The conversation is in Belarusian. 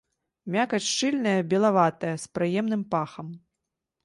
Мякаць шчыльная, белаватая, з прыемным пахам.